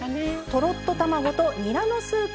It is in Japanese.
とろっと卵とにらのスープです。